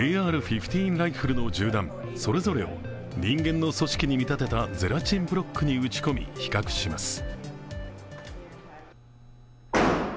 ライフルの銃弾それぞれを人間の組織に見立てたゼラチンブロックに撃ち込み比較します。